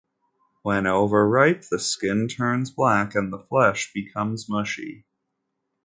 When overripe, the skin turns black and the flesh becomes mushy.